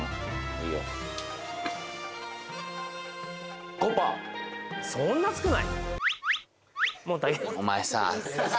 いいよそんな少ない？